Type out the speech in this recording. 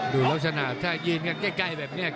ดูลักษณะถ้ายืนกันใกล้แบบนี้